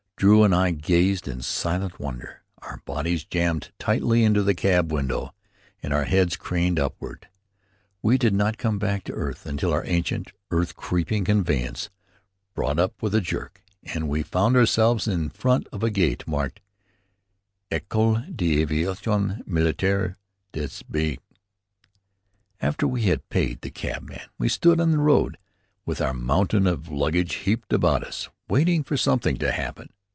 Drew and I gazed in silent wonder, our bodies jammed tightly into the cab window, and our heads craned upward. We did not come back to earth until our ancient, earth creeping conveyance brought up with a jerk, and we found ourselves in front of a gate marked "École d'Aviation Militaire de B ." After we had paid the cabman, we stood in the road, with our mountain of luggage heaped about us, waiting for something to happen.